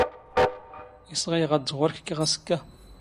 ⵉⵙ ⵖⵉⵢⵖ ⴰⴷ ⴷ ⵖⵓⵔⴽ ⴽⴽⵖ ⴰⵙⴽⴽⴰ?